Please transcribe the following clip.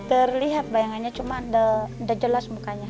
terlihat bayangannya cuma udah jelas mukanya